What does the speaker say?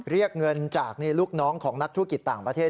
เรียกเงินจากลูกน้องของนักธุรกิจต่างประเทศ